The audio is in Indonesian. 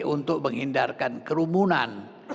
untuk menghindarkan kerumunan